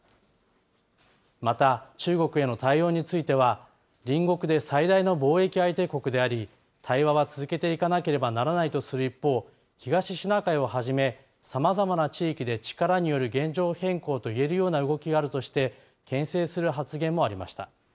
また、中国への対応については、隣国で最大の貿易相手国であり、対話は続けていかなければならないとする一方、東シナ海をはじめ、さまざまな地域で力による現状変更といえるような動きがあるとして、けん制する発言もありました。